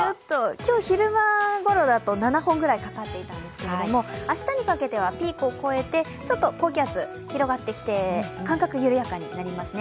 今日、昼間頃だと、７本ぐらいかかっていたんですけれども明日にかけてはピークを超えて高気圧、広がってきて間隔、緩やかになりますね。